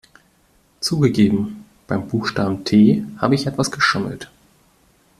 Zugegeben, beim Buchstaben T habe ich etwas geschummelt.